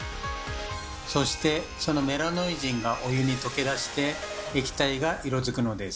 そしてそのメラノイジンがお湯に溶け出して液体が色づくのです。